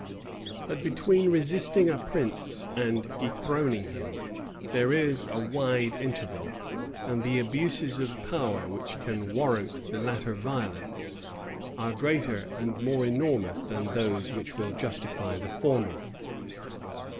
But between resisting a prince and dethroning him, there is a wide interval; and the abuses of power which can warrant the latter violence, are greater and more enormous than those which will justify the former.